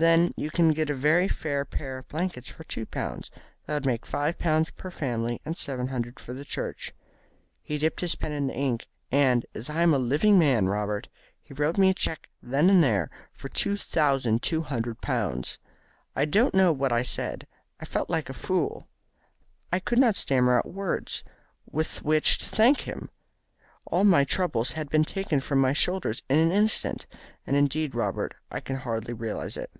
Then you can get a very fair pair of blankets for two pounds. That would make five pounds per family, and seven hundred for the church.' He dipped his pen in the ink, and, as I am a living man, Robert, he wrote me a cheque then and there for two thousand two hundred pounds. I don't know what I said; I felt like a fool; I could not stammer out words with which to thank him. All my troubles have been taken from my shoulders in an instant, and indeed, Robert, I can hardly realise it."